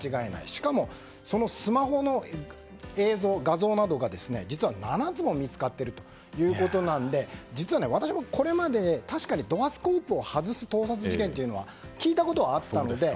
しかもそのスマホの映像、画像などが実は７つも見つかっているということなので実は、私もこれまで確かにドアスコープを外す盗撮事件は聞いたことはあったんですよ。